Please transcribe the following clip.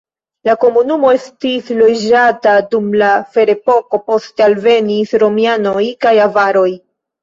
La komunumo estis loĝata dum la ferepoko, poste alvenis romianoj kaj avaroj.